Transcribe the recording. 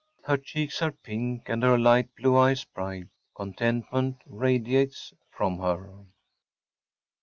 Her cheeks are pink, and her light blue eyes bright. Contentment radiates from her.